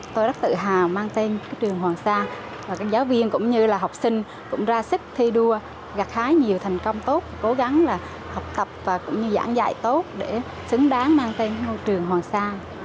tôi rất tự hào mang tên trường hoàng sa giáo viên cũng như học sinh cũng ra sức thi đua gạt hái nhiều thành công tốt cố gắng học tập và giảng dạy tốt để xứng đáng mang tên trường hoàng sa